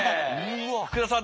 福田さん